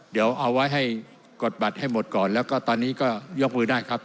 เดี๋ยวเอาไว้ให้กดบัตรให้หมดก่อนแล้วก็ตอนนี้ก็ยกมือได้ครับ